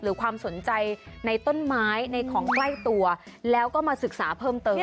ความสนใจในต้นไม้ในของใกล้ตัวแล้วก็มาศึกษาเพิ่มเติม